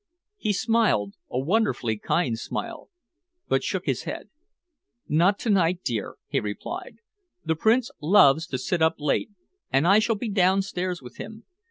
He smiled a wonderfully kind smile but shook his head. "Not to night, dear," he replied. "The Prince loves to sit up late, and I shall be downstairs with him.